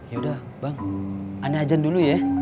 yaudah bang anda ajan dulu ya